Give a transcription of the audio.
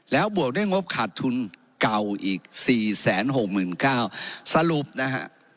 แล้วบวกด้วยงบขาดทุนเก่าอีก๔๖๙๐๐สรุปนะฮะ